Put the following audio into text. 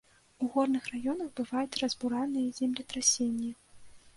У горных раёнах бываюць разбуральныя землетрасенні.